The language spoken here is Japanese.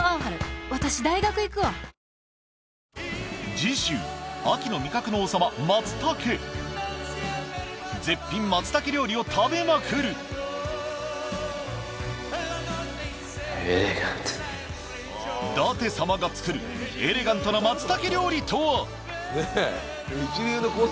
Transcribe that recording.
次週秋の味覚の王様松茸絶品松茸料理を食べまくるエレガント舘様が作るエレガントな松茸料理とはねぇ一流のコース